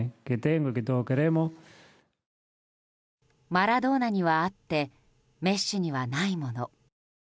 マラドーナにはあってメッシにはないもの。